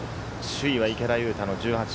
首位は池田勇太の−１８。